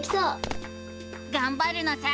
がんばるのさ！